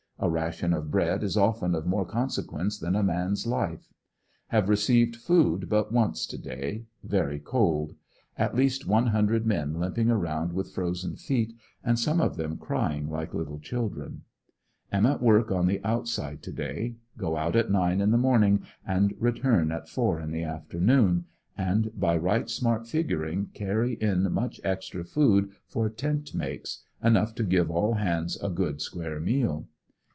A ration of bread is often of more consequence than a man's life. Have received food but once to day; very cold; at least one hundred men limping around with frozen feet, and some of them crying like little children. Am at work on the outside to day; go out at nine in the morning and return at four in the afternoon, and by right smart figuring carry in much extra food for tent mates, enough to give all hands a good square meal.